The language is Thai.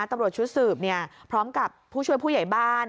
ตำรวจชุดสืบพร้อมกับผู้ช่วยผู้ใหญ่บ้าน